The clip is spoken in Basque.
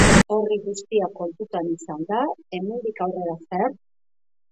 Hori guztia kontutan izanda, hemendik aurrera zer?